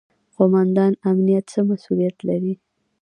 قوماندان امنیه څه مسوولیت لري؟